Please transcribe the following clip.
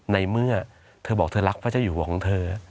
ในเมื่อเธอบอกเธอรักพระเจ้าอยู่หัวของเธอ